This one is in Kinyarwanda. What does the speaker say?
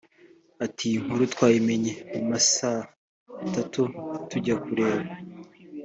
Ati “ Iyo nkuru twayimenye mu ma saa tatu tujya kureba